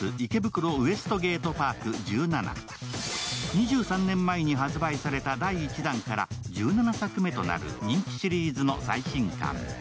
２３年前に発売された第１弾から１７作目となる人気シリーズの最新刊。